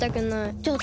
ちょっと！